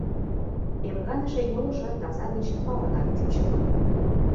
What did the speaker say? Эмганыше йолжо таза деч палынак кӱчык.